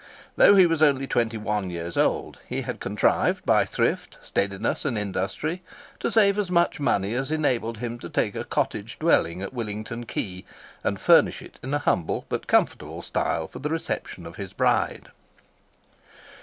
Though he was only twenty one years old, he had contrived, by thrift, steadiness, and industry, to save as much money as enabled him to take a cottage dwelling at Willington Quay, and furnish it in a humble but comfortable style for the reception of his bride.